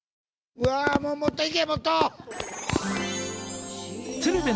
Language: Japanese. うわもっといけもっと！